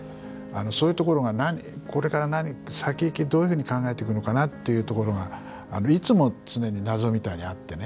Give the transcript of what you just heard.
そういうところがこれから何って先行きどういうふうに考えていくのかなっていうところがいつも常に謎みたいにあってね。